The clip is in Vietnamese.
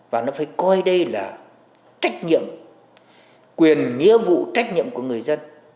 để coi đây là trách nhiệm quyền nghĩa vụ trách nhiệm của người dân